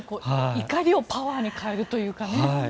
怒りをパワーに変えるというかね。